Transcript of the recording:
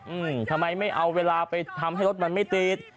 อืมทำไมไม่เอาเวลาไปทำให้รถมันไม่ติด